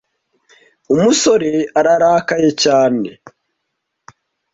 umusore ararakaye cyane.